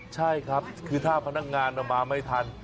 ใช่ครับคือถ้าพนักงานมาไม่ทัน